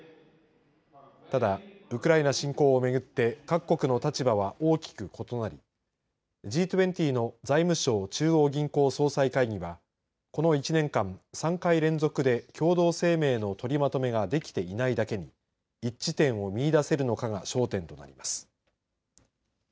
ただウクライナ侵攻を巡って各国の立場は大きく異なりＧ２０の財務相・中央銀行総裁会議はこの１年間、３回連続で共同声明の取りまとめができていないだけに一致点を見いだせるのかが焦点となります。